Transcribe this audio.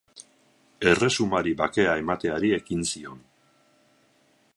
Erresumari bakea emateari ekin zion.